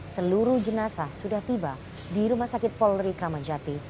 seluruh jenazah sudah tiba di rumah sakit polri kramajati